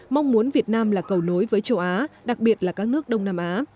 mong muốn việt nam là cầu nối với châu á đặc biệt là các nước đông nam á